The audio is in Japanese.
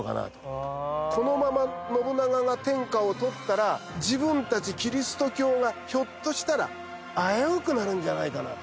このまま信長が天下を取ったら自分たちキリスト教はひょっとしたら危うくなるんじゃないかなと。